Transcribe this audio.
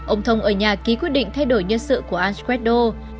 ông thông ở nhà ký quyết định thay đổi nhân sự của an scredo